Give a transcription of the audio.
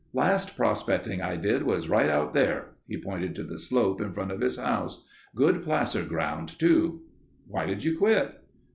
"Last prospecting I did was right out there." He pointed to the slope in front of his house. "Good placer ground too." "Why did you quit?"